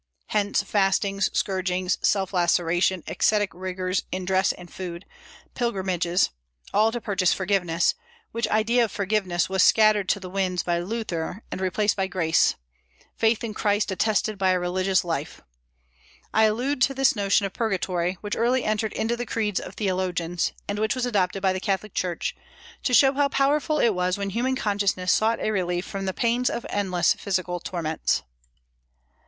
Hence fastings, scourgings, self laceration, ascetic rigors in dress and food, pilgrimages, all to purchase forgiveness; which idea of forgiveness was scattered to the winds by Luther, and replaced by grace, faith in Christ attested by a righteous life. I allude to this notion of purgatory, which early entered into the creeds of theologians, and which was adopted by the Catholic Church, to show how powerful it was when human consciousness sought a relief from the pains of endless physical torments.